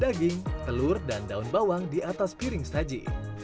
daging telur dan daun bawang di atas piring saji